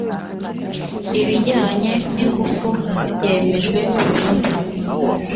ibijyanye n ingufu yemejwe burundu